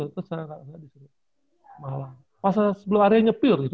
malang pas sebelum akhirnya nyepir gitu